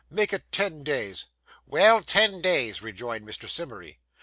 'Make it ten days.' 'Well; ten days,' rejoined Mr. Simmery.